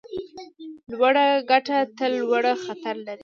لوړه ګټه تل لوړ خطر لري.